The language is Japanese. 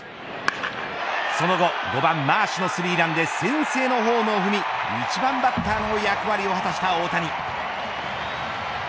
その後５番マーシュのスリーランで先制のホームを踏み１番バッターの役割を果たした大谷。